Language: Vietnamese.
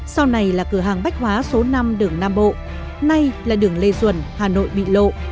sau này là cửa hàng bách hóa số năm đường nam bộ nay là đường lê duẩn hà nội bị lộ